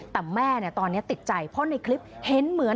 แต่แม่ตอนนี้ติดใจเพราะในคลิปเห็นเหมือน